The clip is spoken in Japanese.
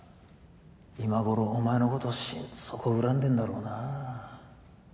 今頃お前のこと心底恨んでんだろうな。